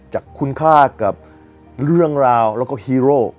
จากคุณค่ากับเรื่องราวแล้วก็ฮีโร่